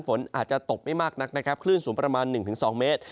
ฝนอาจจะตกไม่มากนักนะครับคลื่นสูงประมาณ๑๒เมตร